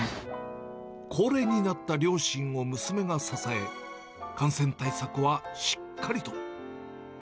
高齢になった両親を娘が支え、感染対策はしっかりと。